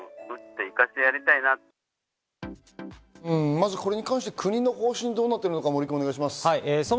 まずこれに関して国の方針がどうなっているのか見ていきましょう。